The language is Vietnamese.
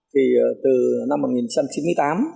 thì từ năm một nghìn chín trăm chín mươi tám